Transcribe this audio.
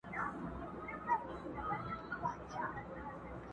نور دي خواته نه را ګوري چي قلم قلم یې کړمه!.